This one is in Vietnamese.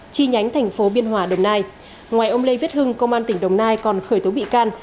chi nhánh thành phố biên hòa đồng nai ngoài ông lê viết hưng công an tỉnh đồng nai còn khởi tố bị can